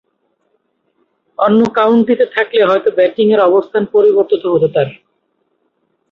অন্য কাউন্টিতে থাকলে হয়তো ব্যাটিংয়ের অবস্থান পরিবর্তিত হতো তার।